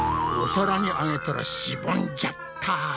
お皿にあげたらしぼんじゃった。